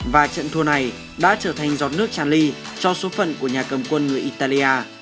và trận thua này đã trở thành giọt nước tràn ly cho số phận của nhà cầm quân người italia